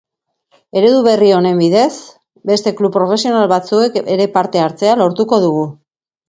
Eredu berri honen bidez beste klub profesional batzuek ere parte hartzea lortuko dugu.